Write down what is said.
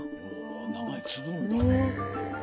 名前継ぐんだ⁉へえ。